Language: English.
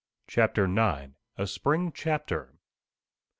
CHAPTER IX. A SPRING CHAPTER.